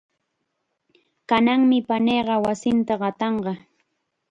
Kananmi paniiqa wasinta qatanqa.